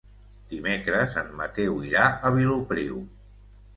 Dimecres en Mateu irà a Vilopriu.